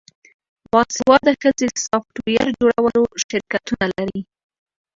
باسواده ښځې د سافټویر جوړولو شرکتونه لري.